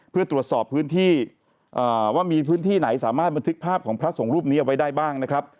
เพื่อตรวจสอบพื้นที่ว่ามีพื้นที่ไหนสามารถบันทึกภาพของพระสงฆ์รูปนี้เอาไว้ได้บ้างนะครับ